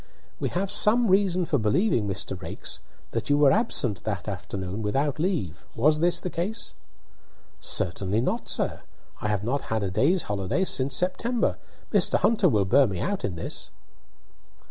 "We have some reason for believing, Mr. Raikes, that you were absent that afternoon without leave. Was this the case?" "Certainly not, sir. I have not had a day's holiday since September. Mr. Hunter will bear me out in this."